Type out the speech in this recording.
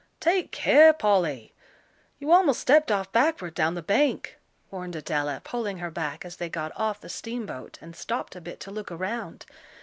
"Take care, Polly, you almost stepped off backward down the bank," warned Adela, pulling her back, as they got off the steamboat and stopped a bit to look around.